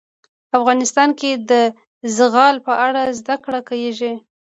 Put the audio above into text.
افغانستان کې د زغال په اړه زده کړه کېږي.